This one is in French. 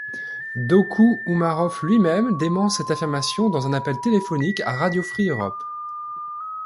Dokou Oumarov lui-même dément cette affirmation dans un appel téléphonique à Radio Free Europe.